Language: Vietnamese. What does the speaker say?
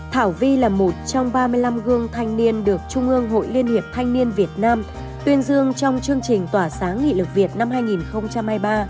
thảo vi là một trong ba mươi năm gương thanh niên được trung ương hội liên hiệp thanh niên việt nam tuyên dương trong chương trình tỏa sáng nghị lực việt năm hai nghìn hai mươi ba